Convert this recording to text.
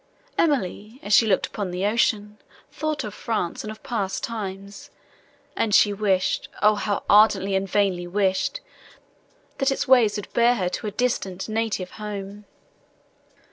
Emily, as she looked upon the ocean, thought of France and of past times, and she wished, Oh! how ardently, and vainly—wished! that its waves would bear her to her distant native home!